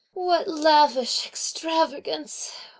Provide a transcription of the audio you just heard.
"What lavish extravagance!